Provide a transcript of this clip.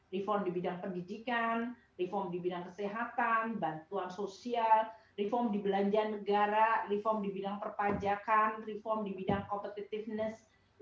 reform di bidang pendidikan reform di bidang kesehatan bantuan sosial reform di belanja negara reform di bidang perpajakan reform di bidang competitiveness